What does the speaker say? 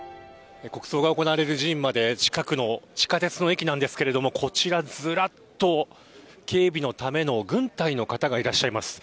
国葬が行われる寺院まで近くの、地下鉄の駅なんですけどこちらずらっと、警備のための軍隊の方がいらっしゃいます。